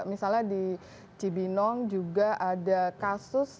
misalnya di cibinong juga ada kasus